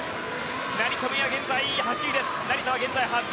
成田実生は現在８位です。